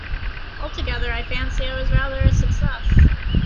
Altogether I fancy I was rather a success.